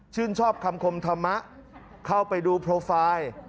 ชอบคำคมธรรมะเข้าไปดูโปรไฟล์